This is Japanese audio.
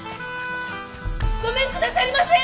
・ごめんくださりませ！